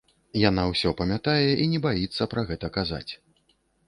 Яна ўсё памятае і не баіцца пра гэта казаць.